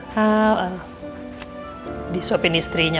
kondisi saya masih seperti ini